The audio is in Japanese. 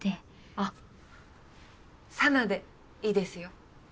あっ紗菜でいいですよ。